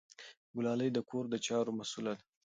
ګلالۍ د کور د چارو مسؤله ده.